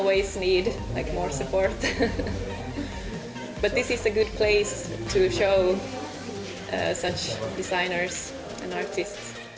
tapi ini adalah tempat yang bagus untuk menunjukkan kepada para desainer dan artis